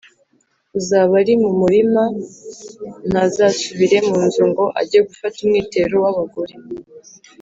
uzaba ari mu murima ntazasubire mu nzu ngo ajye gufata umwitero we Abagore